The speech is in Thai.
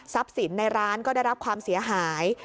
สินในร้านก็ได้รับความเสียหาย